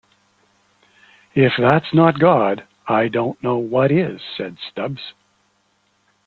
If that's not God, I don't know what is, said Stubbs.